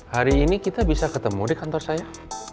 hari ini kita bisa ketemu di kantor saya